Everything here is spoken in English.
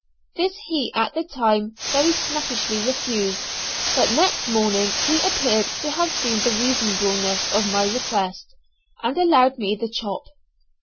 This he at the time very snappishly refused, but next morning he appeared to have seen the reasonableness of my request, and allowed me the chop.